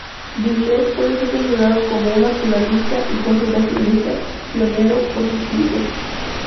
Derleth puede ser considerado como un naturalista y conservacionista pionero por sus escritos.